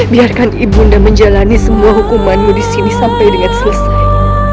biarkan ibu nang menjalani semua hukumanmu disini sampai dengan selesai